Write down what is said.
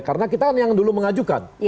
karena kita kan yang dulu mengajukan